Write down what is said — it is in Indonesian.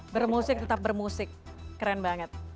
bermusik tetap bermusik keren banget